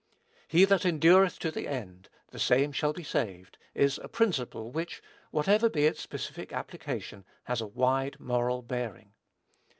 "He that endureth to the end, the same shall be saved," is a principle which, whatever be its specific application, has a wide moral bearing.